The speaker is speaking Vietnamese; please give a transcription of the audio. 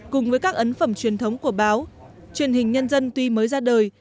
cùng với các ấn phẩm truyền thống của báo truyền hình nhân dân tuy mới ra đời